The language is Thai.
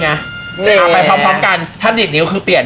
แค่นี้กระต่าลกล้องเถนอย่างเงี้ย